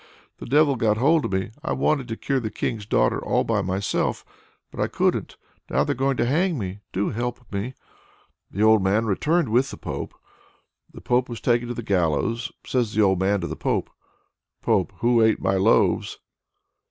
The Devil got hold of me. I wanted to cure the King's daughter all by myself, but I couldn't. Now they're going to hang me. Do help me!" The old man returned with the Pope. The Pope was taken to the gallows. Says the old man to the Pope: "Pope! who ate my loaves?"